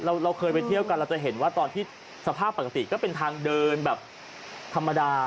เราเคยไปเที่ยวกันเราจะเห็นว่าตอนที่สภาพปกติก็เป็นทางเดินแบบธรรมดา